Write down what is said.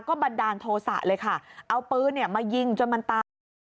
ก็บันดาลโทษะเลยค่ะเอาปืนมายิงจนมันตาย